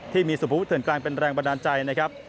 ที่มีสุภวุเถื่อนกลางเป็นแรงบันดาลใจนะครับ